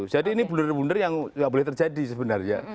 jadi ini blunder blunder yang gak boleh terjadi sebenarnya